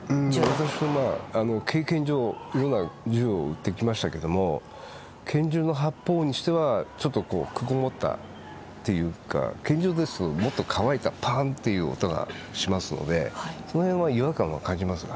私も経験上、いろんな銃を撃ってきましたけれども拳銃の発砲音にしてはちょっとくぐもったというか拳銃ですのでもっと乾いたパーンという音がしますのでその辺は違和感は感じますが。